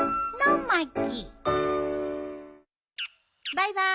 バイバーイ。